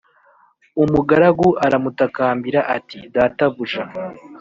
umugaragu aramutakambira ati data buja